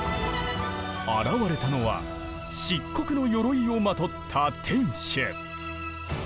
現れたのは漆黒の鎧をまとった天守。